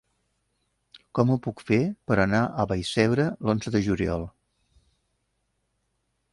Com ho puc fer per anar a Vallcebre l'onze de juliol?